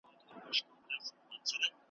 سولاغه هره ورځ څاه ته نه لوېږي ,